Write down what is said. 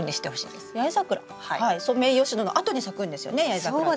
ソメイヨシノのあとに咲くんですよね八重桜って。